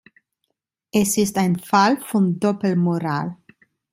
Es ist ein Fall von Doppelmoral.